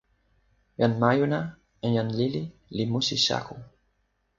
jan majuna en jan lili li musi Saku.